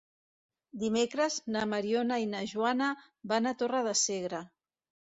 Dimecres na Mariona i na Joana van a Torres de Segre.